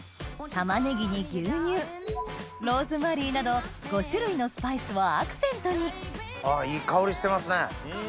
玉ねぎに牛乳ローズマリーなど５種類のスパイスをアクセントにいい香りしてますね。